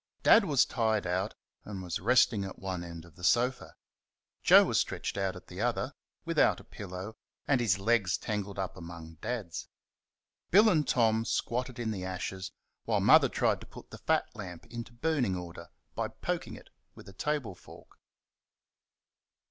Dad was tired out and was resting at one end of the sofa; Joe was stretched at the other, without a pillow, and his legs tangled up among Dad's. Bill and Tom squatted in the ashes, while Mother tried to put the fat lamp into burning order by poking it with a table fork.